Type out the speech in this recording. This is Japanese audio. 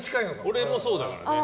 俺もそうだからね。